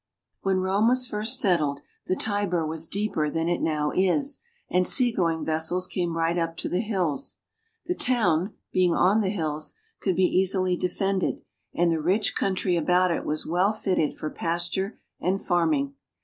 When Rome was first settled, the Tiber was deeper than it now is, and sea going vessels came right up to the hills. The town, being on the hills, could be easily defended ; and the rich country about it was well fitted for pasture and farming.